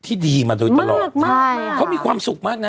ที่ดีมาโดยตลอดเขามีความสุขมากนะ